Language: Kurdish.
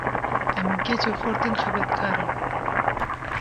Em keç û xortên xebatkar in.